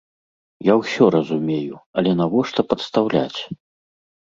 Я ўсё разумею, але навошта падстаўляць!